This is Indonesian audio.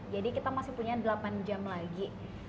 kita masih punya delapan jam lagi